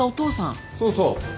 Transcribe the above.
そうそう。